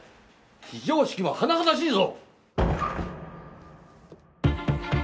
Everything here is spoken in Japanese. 非常識も甚だしいぞ！